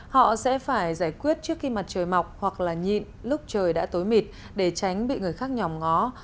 họ sẽ phải giải quyết trước khi mặt trời mọc hoặc là nhịn lúc trời đã tối mịt để tránh bị người khác nhòm ngó